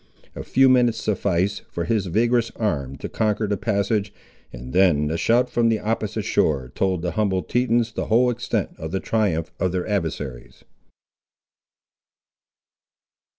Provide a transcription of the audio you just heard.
A few minutes sufficed for his vigorous arm to conquer the passage, and then the shout from the opposite shore told the humbled Tetons the whole extent of the triumph of their adversaries.